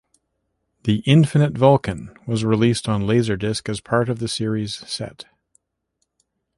"The Infinite Vulcan" was released on LaserDisc as part of the series set.